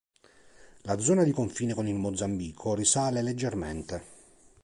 La zona di confine con il Mozambico risale leggermente.